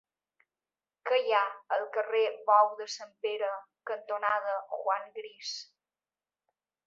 Què hi ha al carrer Bou de Sant Pere cantonada Juan Gris?